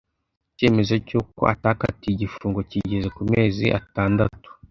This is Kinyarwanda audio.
icyemezo cy’uko atakatiwe igifungo kigeze ku mezi atandatu